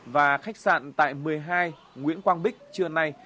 và khách sạn tại một mươi hai nguyễn quang bích trưa nay